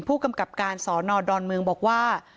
ผู้กำกับการสอนอดอนเมืองบอกว่า